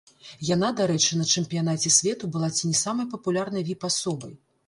Яна, дарэчы, на чэмпіянаце свету была ці не самай папулярнай віп-асобай.